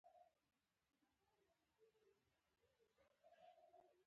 ویزه یو هیواد ته د ننوتو رسمي اجازه ده.